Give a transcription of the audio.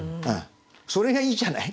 それがいいじゃない。